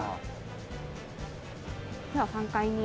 では３階に。